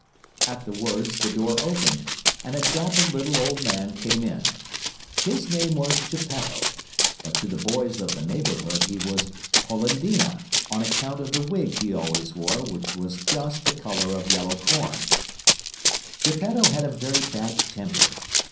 At the words, the door opened and a dapper little old man came in. His name was Geppetto, but to the boys of the neighborhood he was Polendina,* on account of the wig he always wore which was just the color of yellow corn. * Cornmeal mush Geppetto had a very bad temper.